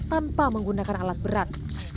tanpa menggunakan alat berat